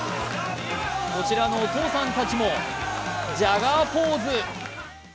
こちらのお父さんたちもジャガーポーズ。